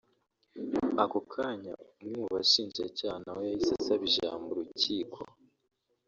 Ako kanya umwe mu bashinjacya nawe yahise asaba ijambo Urukiko